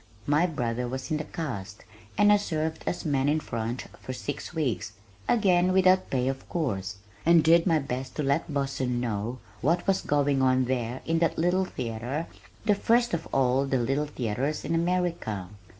My brother was in the cast and I served as "Man in Front" for six weeks again without pay of course and did my best to let Boston know what was going on there in that little theater the first of all the "Little Theaters" in America.